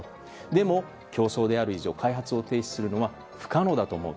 でも、競争である以上、開発を停止するのは不可能だと思う。